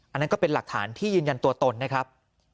อันนั้นก็เป็นหลักฐานที่ยืนยันตัวตนนะครับ